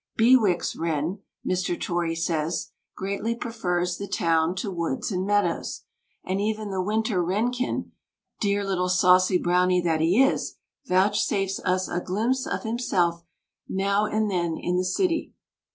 Bewick's wren, Mr. Torrey says, "greatly prefers the town to woods and meadows," and even the winter wrenkin, dear little saucy brownie that he is, vouchsafes us a glimpse of himself now and then in the city.